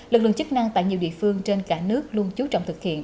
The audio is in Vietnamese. lực lượng chức năng tại nhiều địa phương trên cả nước luôn chú trọng thực hiện